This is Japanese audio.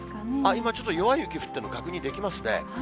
今、ちょっと弱い雪降っているの、確認できますね。